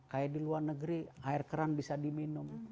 kayak di luar negeri air keran bisa diminum